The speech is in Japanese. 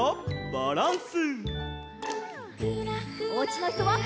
バランス！